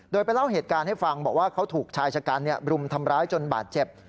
โดยไปเล่าเหตุการณ์ให้ฟังบอกว่าเขาถูกชายชะกันรุมทำร้ายจนบาดเจ็บ